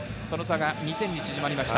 その差は２点に縮まりました。